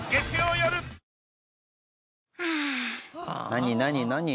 何何何？